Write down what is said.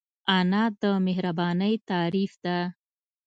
انا د مهربانۍ تعریف ده